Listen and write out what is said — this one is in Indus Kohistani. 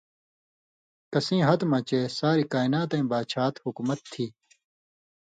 کسیں ہتہۡ مہ چے (ساریۡ کائناتَیں) باچھات/حُکمت تھی